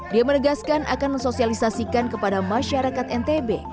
dia menegaskan akan mensosialisasikan kepada masyarakat ntb